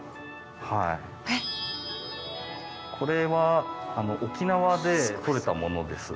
これは沖縄で取れたものです。